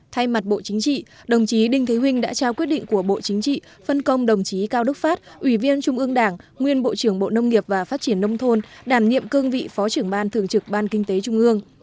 thay mặt bộ chính trị đồng chí đinh thế vinh đã trao quyết định của bộ chính trị phân công đồng chí cao đức phát ủy viên trung ương đảng nguyên bộ trưởng bộ nông nghiệp và phát triển nông thôn đảm nhiệm cương vị phó trưởng ban thường trực ban kinh tế trung ương